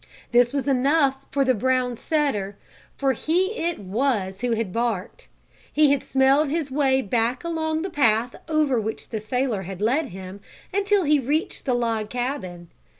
This was enough for the brown setter, for he it was who had barked. He had smelled his way back along the path over which the sailor had led him, until he reached the log cabin.